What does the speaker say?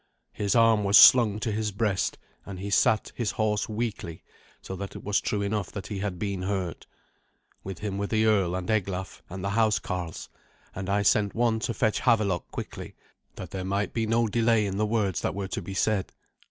His arm was slung to his breast, and he sat his horse weakly, so that it was true enough that he had been hurt. With him were the earl and Eglaf, and the housecarls, and I sent one to fetch Havelok quickly, that there might be no delay in the words that were to be said.